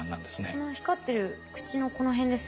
この光ってる口のこの辺ですね。